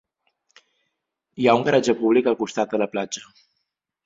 Hi ha un garatge públic al costat de la platja.